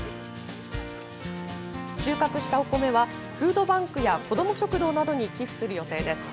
収穫したお米はフードバンクや子ども食堂などに寄付する予定です。